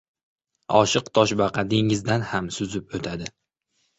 • Oshiq toshbaqa dengizdan ham suzib o‘tadi.